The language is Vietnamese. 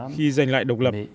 khi giành lại độc lập